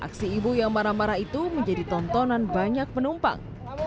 aksi ibu yang marah marah itu menjadi tontonan banyak penumpang